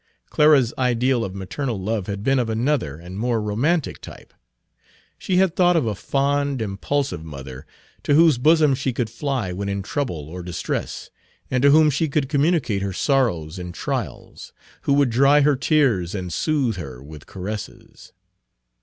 Clara' s Page 43 ideal of maternal love had been of another and more romantic type; she had thought of a fond, impulsive mother, to whose bosom she could fly when in trouble or distress, and to whom she could communicate her sorrows and trials; who would dry her tears and soothe her with caresses.